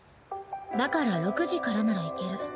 だから６時からなら行ける。